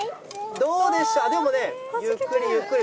どうでしょう、でもね、ゆっくりゆっくり。